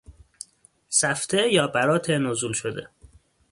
سفته یا برات نزول شده